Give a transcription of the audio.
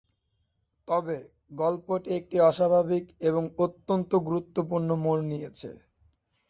তবে, গল্পটি একটি অস্বাভাবিক এবং অত্যন্ত গুরুত্বপূর্ণ মোড় নিয়েছে।